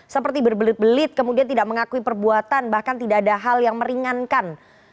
seperti berbelit belit kemudian tidak mengakui perbuatan bahkan tidak ada hal yang meringankan